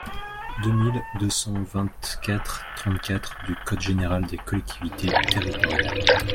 deux mille deux cent vingt-quatre-trente-quatre du code général des collectivités territoriales.